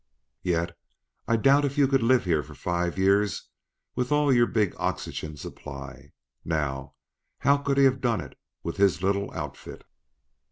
Yet I doubt if you could live here for five years with all your big oxygen supply. Now, how could he have done it with his little outfit?